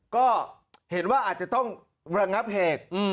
ก็เห็นว่าอาจจะต้องระงับเหตุ